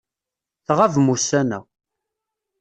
Tɣabem ussan-a.